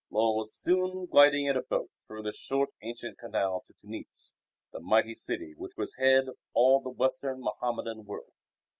Lull was soon gliding in a boat through the short ancient canal to Tunis, the mighty city which was head of all the Western Mohammedan world.